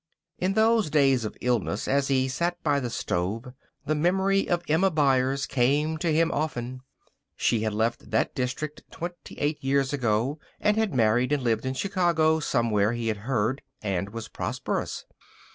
In those days of illness, as he sat by the stove, the memory of Emma Byers came to him often. She had left that district twenty eight years ago, and had married, and lived in Chicago somewhere, he had heard, and was prosperous.